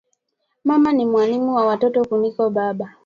Mama ni mwalimu wa watoto kuliko baba